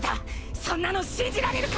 そんなの信じられるか！